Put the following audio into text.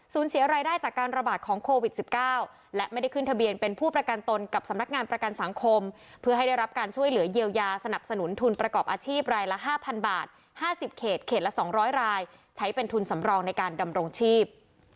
เสียรายได้จากการระบาดของโควิด๑๙และไม่ได้ขึ้นทะเบียนเป็นผู้ประกันตนกับสำนักงานประกันสังคมเพื่อให้ได้รับการช่วยเหลือเยียวยาสนับสนุนทุนประกอบอาชีพรายละ๕๐๐บาท๕๐เขตเขตละ๒๐๐รายใช้เป็นทุนสำรองในการดำรงชีพ